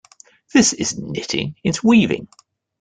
This isn't knitting, its weaving.